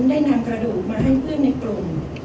ได้นำกระดูกมาให้เพื่อนในกลุ่ม